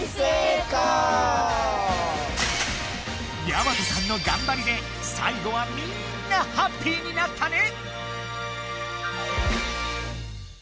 やまとさんのがんばりでさいごはみんなハッピーになったね。